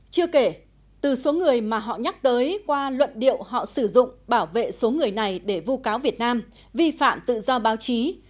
chưa kể từ số người mà họ nhắc tới qua luận điệu họ sử dụng bảo vệ số người này để vu cáo việt nam vi phạm tự do báo chí